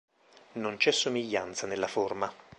Non c'è somiglianza nella forma.